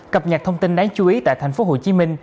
cập nhật thông tin đáng chú ý tại tp hcm